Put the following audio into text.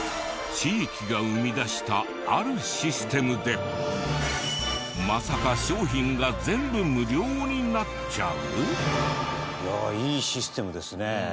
地域が生み出したあるシステムでまさか商品が全部無料になっちゃう？